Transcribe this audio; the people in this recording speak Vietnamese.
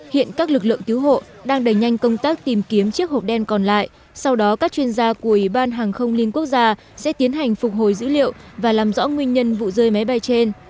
hiện các lực lượng cứu hộ đang đẩy nhanh công tác tìm kiếm chiếc hộp đen còn lại sau đó các chuyên gia của ủy ban hàng không liên quốc gia sẽ tiến hành phục hồi dữ liệu và làm rõ nguyên nhân vụ rơi máy bay trên